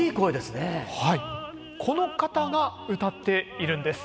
この方が歌っているんです。